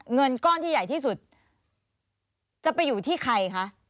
เงินก้อนที่ใหญ่ที่สุดจะไปอยู่ที่ใครคะ